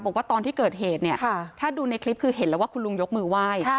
บอกว่าตอนที่เกิดเหตุเนี่ยถ้าดูในคลิปคือเห็นแล้วว่าคุณลุงยกมือไหว้